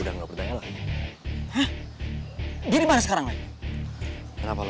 di rumah rumah adriana dulu zain